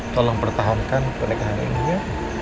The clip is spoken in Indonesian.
tolong pertahankan pernikahan ini ya